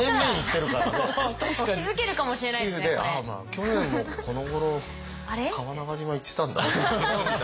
去年もこのごろ川中島行ってたんだ。